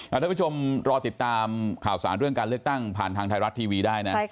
ท่านผู้ชมรอติดตามข่าวสารเรื่องการเลือกตั้งผ่านทางไทยรัฐทีวีได้นะ